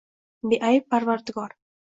Beayb parvardigor.